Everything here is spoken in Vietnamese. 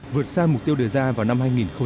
vượt xa mục tiêu đề ra vào năm hai nghìn hai mươi